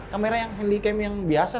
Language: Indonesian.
kamera yang handycam yang biasa